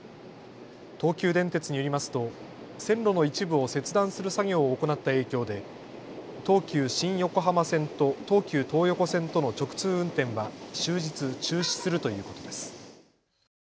東急電鉄によりますと線路の一部を切断する作業を行った影響で東急新横浜線と東急東横線との直通運転は終日、中止するということです。